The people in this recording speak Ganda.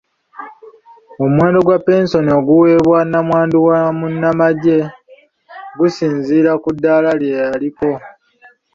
Omuwendo gwa pensoni oguweebwa namwandu wa munnamagye gusinziira ku ddaala lye yaliko.